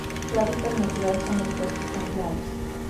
Su hábitat natural son los bosques templados.